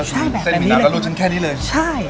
ใช่แบบแบบนี้เลยเส้นหมี่น้ำลูกชิ้นแค่นี้เลยใช่